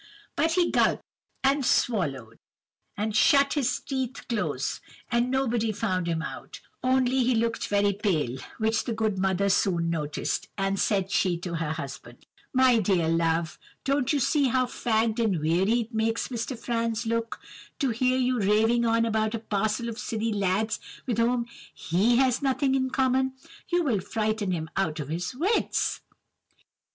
"But he gulped, and swallowed, and shut his teeth close, and nobody found him out; only he looked very pale, which the good mother soon noticed, and said she to her husband:— "'My dear love, don't you see how fagged and weary it makes Mr. Franz look, to hear you raving on about a parcel of silly lads with whom he has nothing in common? You will frighten him out of his wits.